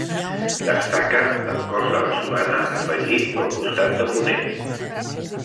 Destaca el cos de la solana afegit pel costat de ponent.